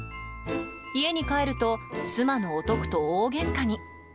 家に帰ると妻のお徳と大げんかに。